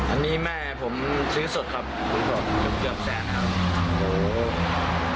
อันนี้แม่ผมซื้อสดครับคุณผู้ชมเกือบแสนครับ